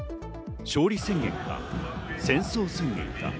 勝利宣言か、戦争宣言か。